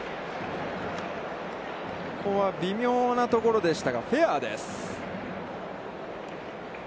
ここは微妙なところでしたが、フェアです。